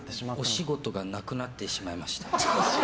お仕事がなくなってしまいました。